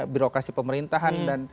birokrasi pemerintahan dan